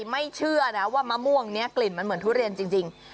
เบาะว่ามะม่วงนี่กลิ่นมันเหมือนทุเรนจริง